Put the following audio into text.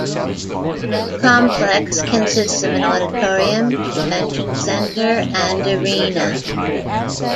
The complex consists of an auditorium, convention center and arena.